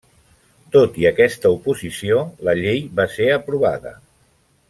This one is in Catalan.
Tot i aquesta oposició, la llei va ser aprovada.